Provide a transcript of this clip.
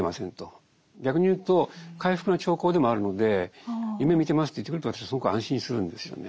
逆にいうと回復の兆候でもあるので夢見てますと言ってくれると私はすごく安心するんですよね。